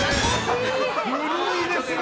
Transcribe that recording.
古いですね！